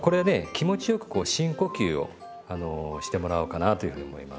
気持ちよくこう深呼吸をしてもらおうかなというふうに思います。